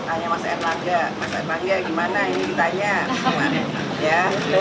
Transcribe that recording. tanya mas erlangga mas erlangga gimana ini ditanya